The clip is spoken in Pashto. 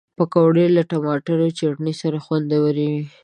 پکورې له ټماټر چټني سره خوندورې وي